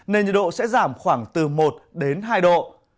nên nhiệt độ sẽ giảm khoảng từ một đến hai độ